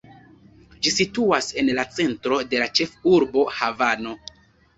Ĝi situas en la centro de la ĉefurbo, Havano.